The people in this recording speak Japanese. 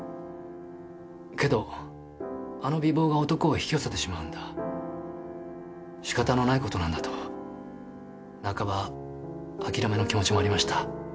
けどあの美貌が男を引き寄せてしまうんだ仕方のない事なんだと半ば諦めの気持ちもありました。